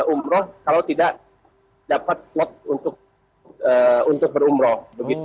umroh kalau tidak dapat spot untuk berumroh